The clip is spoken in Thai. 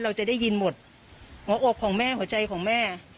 เราจะได้ยินหมดหัวอกของแม่หัวใจของแม่